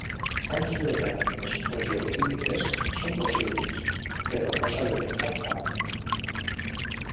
Fonts geotèrmiques o geoquímiques són possibles, però no s'ha detectat cap.